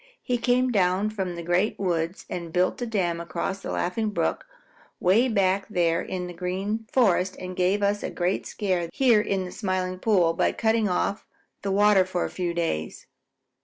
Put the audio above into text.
He came down from the Great Woods and built a dam across the Laughing Brook way back there in the Green Forest and gave us a great scare here in the Smiling Pool by cutting off the water for a few days.